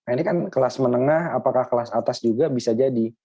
ini kan kelas menengah apakah kelas atas juga bisa jadi